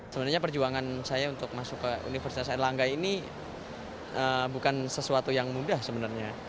sebenarnya perjuangan saya untuk masuk ke universitas erlangga ini bukan sesuatu yang mudah sebenarnya